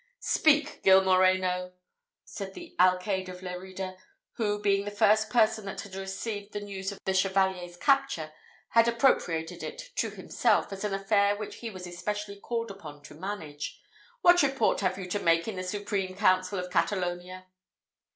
"Speak, Gil Moreno," said the alcayde of Lerida, who being the first person that had received the news of the Chevalier's capture, had appropriated it to himself, as an affair which he was especially called upon to manage: "what report have you to make to the supreme council of Catalonia?"